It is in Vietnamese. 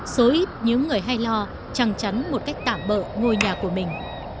số ít những người hay lo chắc chắn một cách tạm bỡ ngôi nhà của mình